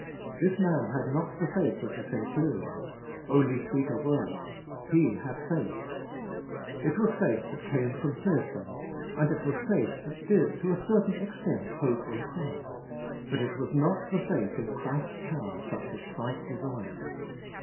This man had not the faith of the centurion — "Onl}^ speak a word." He had faith. It was faith that came from hearsay, and it was faith that did, to a certain extent, hope in Christ; but it was not the faith in Christ's power such as Christ desired.